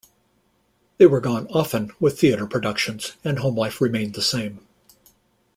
They were gone often with theater productions and home life remained the same.